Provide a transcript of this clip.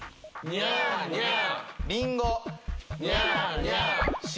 ニャーニャー。